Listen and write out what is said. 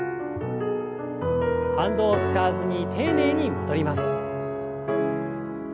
反動を使わずに丁寧に戻ります。